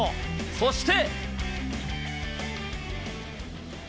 そして。